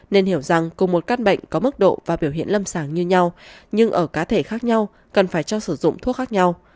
nên hiểu rằng cùng một căn bệnh có mức độ và biểu hiện lâm sàng như nhau nhưng ở cá thể khác nhau cần phải cho sử dụng thuốc khác nhau